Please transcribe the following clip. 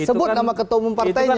sebut nama ketua umum partainya